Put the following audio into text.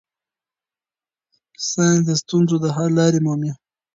ساینس د ستونزو د حل لارې مومي.